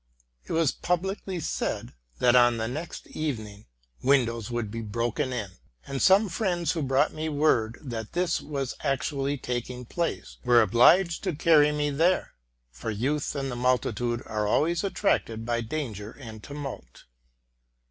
It was publicly said, that, on the next evening, windows would be broken in: and some friends who brought me word that this was actually taking place, were obliged to carry me there ; for youth and the multitude are always attracted by danger and tumult.